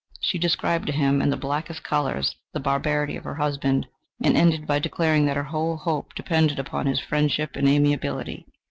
She described to him in the blackest colours the barbarity of her husband, and ended by declaring that her whole hope depended upon his friendship and amiability.